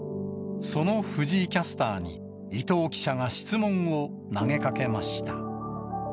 その藤井キャスターに、伊藤記者が質問を投げかけました。